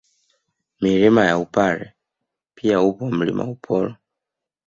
Milima ya Upare pia upo Mlima Uporo